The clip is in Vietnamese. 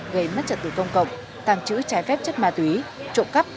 gây mất trật tự công cộng tàng trữ trái phép chất ma túy trộm cắp